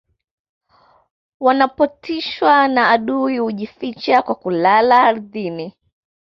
wanapotishwa na adui hujificha kwa kulala ardhini